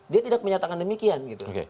dia tidak menyatakan demikian